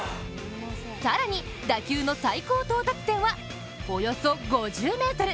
更に打球の最高到達点はおよそ５０ｍ。